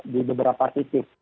di beberapa titik